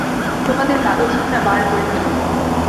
তোমাদের কাগজখানা বার করে ফেল।